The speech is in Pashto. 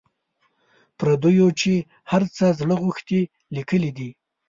پردیو چي هر څه زړه غوښتي لیکلي دي.